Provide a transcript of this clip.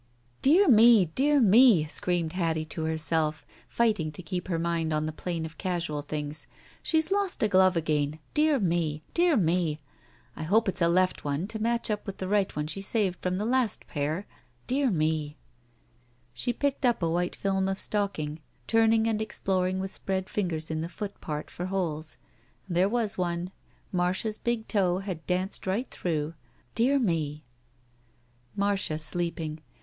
Dear me! Dear me!" screamed Hattie to her self, fighting to keep her mind on the plane of casual things. " She's lost a glove again. Dear me! Dear me! I hope it's a left one to match up with the rightoneshesavedfromthelastpair. ttearme!" She picked up a white film of stocking, turning and exploring with spread fingers in the foot part for holes. There was one! Marcia's big toe had danced right through. "Dear me!" Marcia sleeping.